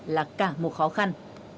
là cả một khó khăn